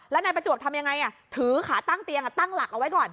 แล้วนายประจวบทำยังไงถือขาตั้งเตียงตั้งหลักเอาไว้ก่อน